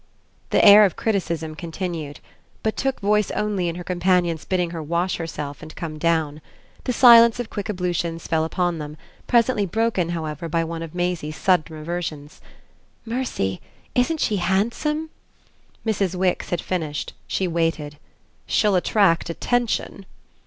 The air of criticism continued, but took voice only in her companion's bidding her wash herself and come down. The silence of quick ablutions fell upon them, presently broken, however, by one of Maisie's sudden reversions. "Mercy, isn't she handsome?" Mrs. Wix had finished; she waited. "She'll attract attention."